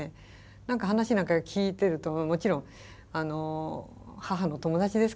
何か話なんか聞いてるともちろん義母の友達ですからね